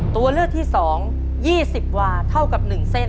ตัวเลือกที่๒๒๐วาเท่ากับ๑เส้น